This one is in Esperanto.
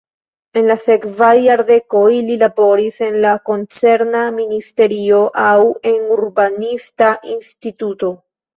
En la sekvaj jardekoj li laboris en la koncerna ministerio aŭ en urbanista instituto.